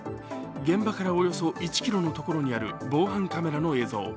現場からおよそ１ｋｍのところにある防犯カメラの映像。